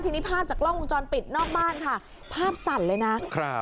ทีนี้ภาพจากกล้องวงจรปิดนอกบ้านค่ะภาพสั่นเลยนะครับ